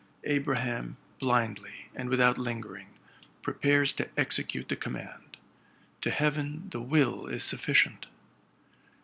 Abraham, blindly and without lingering, pre pares to execute the command: to Heaven the will is suffi cient.